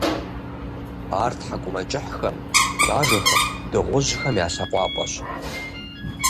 Ар тхьэкӀумэкӀыхьхэм, бажэхэм, дыгъужьхэм я лъэкъуапӀэщ.